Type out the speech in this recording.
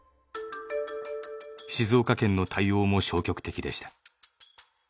静岡県の対応も消極的でした。